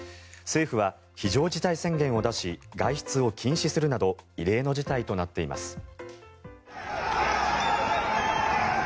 政府は非常事態宣言を出し外出を禁止するなど異例の事態となっています。